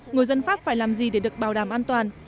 người dân pháp phải làm gì để được bảo đảm an toàn